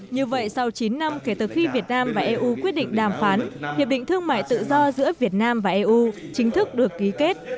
như vậy sau chín năm kể từ khi việt nam và eu quyết định đàm phán hiệp định thương mại tự do giữa việt nam và eu chính thức được ký kết